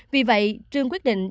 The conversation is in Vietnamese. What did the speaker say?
vì vậy trường quyết định